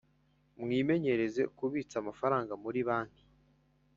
mwimenyereze kubitsa amafaranga muri banki